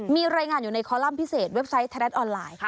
มีรายงานอยู่ในคอลัมป์พิเศษเว็บไซต์ไทยรัฐออนไลน์